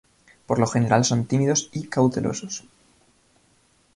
Por lo general son tímidos y cautelosos.